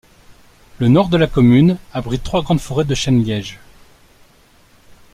Le nord de la commune abrite trois grandes forêts de chêne-liège.